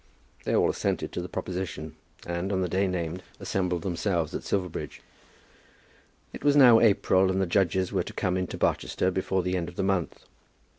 They all assented to the proposition, and on the day named assembled themselves at Silverbridge. It was now April, and the judges were to come into Barchester before the end of the month.